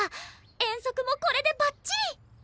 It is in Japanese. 遠足もこれでバッチリ！